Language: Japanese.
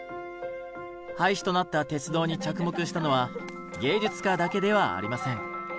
廃止となった鉄道に着目したのは芸術家だけではありません。